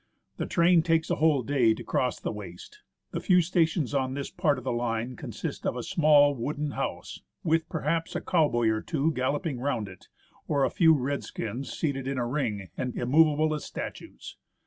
The train takes a whole day to cross the waste. The few stations on this part of the line consist of a small wooden house, 181 THE ASCENT OF MOUNT ST. ELIAS with perhaps a cowboy or two galloping round it, or a few Red skins seated in a ring and immovable as statues.